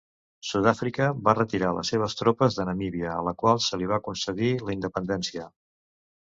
Sud Àfrica va retirar les seves tropes de Namíbia, a la qual se li va concedir la independència.